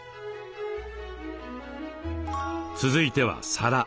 続いては皿。